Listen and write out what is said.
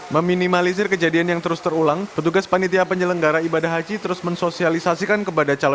meminimalisir kejadian yang terus terulang petugas panitia penyelenggara ibadah haji terus mencari barang barang yang tidak ada hubungannya dengan proses ibadah haji